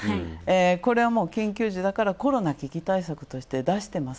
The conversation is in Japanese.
これは緊急時だからコロナ危機対策として出してます。